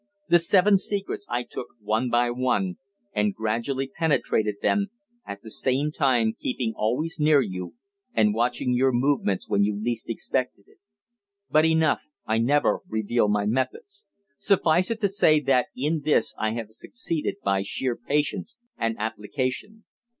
The Seven Secrets I took one by one, and gradually penetrated them, at the same time keeping always near you and watching your movements when you least expected it. But enough I never reveal my methods. Suffice it to say that in this I have succeeded by sheer patience and application.